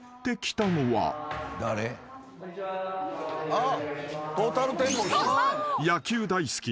あっ。